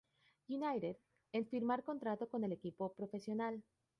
United en firmar contrato con el equipo profesional.